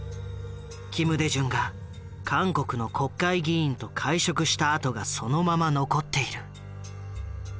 金大中が韓国の国会議員と会食した跡がそのまま残っている。